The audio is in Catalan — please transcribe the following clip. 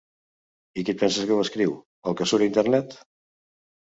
I qui et penses que ho escriu, el que surt a internet?